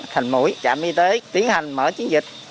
thành mũi trạm y tế tiến hành mở chiến dịch